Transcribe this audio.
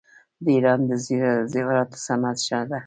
د ایران د زیوراتو صنعت ښه دی.